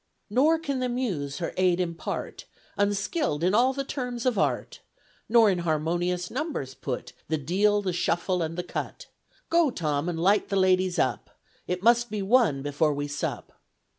Nor can the muse her aid impart, Unskilled in all the terms of art, Nor in harmonious numbers put The deal, the shuffle, and the cut; Go, Tom, and light the ladies up, It must be one before we sup.